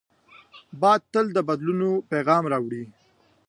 باد تل د بدلونو پیغام راوړي